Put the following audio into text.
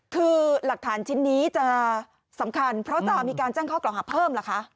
คือหลักฐานชิ้นนี้จะสำคัญเพราะจะมีการแจ้งข้อกล่าวหาเพิ่มเหรอคะ